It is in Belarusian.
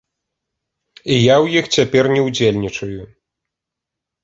І я ў іх цяпер не ўдзельнічаю.